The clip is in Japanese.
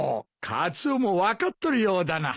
カツオも分かっとるようだな。